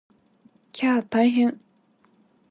きゃー大変！